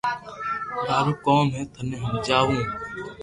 مارو ڪوم ھي ٿني ھمجاو